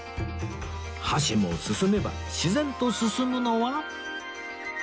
箸も進めば自然と進むのは